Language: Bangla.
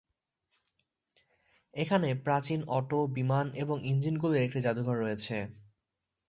এখানে প্রাচীন অটো, বিমান এবং ইঞ্জিনগুলির একটি জাদুঘর রয়েছে।